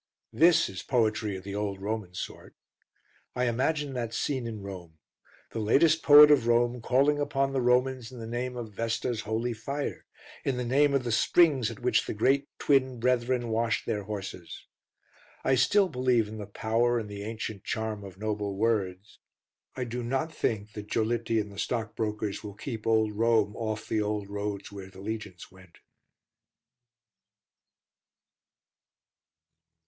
This is poetry of the old Roman sort. I imagine that scene in Rome: the latest poet of Rome calling upon the Romans in the name of Vesta's holy fire, in the name of the springs at which the Great Twin Brethren washed their horses. I still believe in the power and the ancient charm of noble words. I do not think that Giolitti and the stockbrokers will keep old Rome off the old roads where the legions went.